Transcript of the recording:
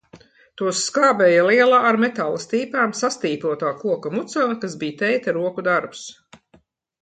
Tos skābēja lielā, ar metāla stīpām sastīpotā koka mucā, kas bija tēta roku darbs.